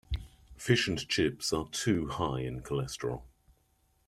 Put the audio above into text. Fish and chips are too high in cholesterol.